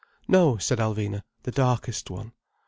"No," said Alvina. "The darkest one."